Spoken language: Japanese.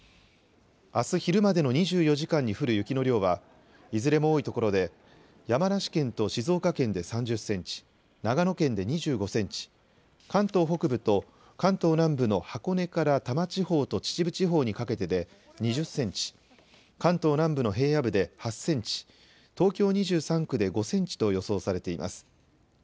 あす昼までの２４時間に降る雪の量は、いずれも多い所で、山梨県と静岡県で３０センチ、長野県で２５センチ、関東北部と関東南部の箱根から多摩地方と秩父地方にかけてで２０センチ、関東南部の平野部で８センチ、東京２３区で５センチと予想されています。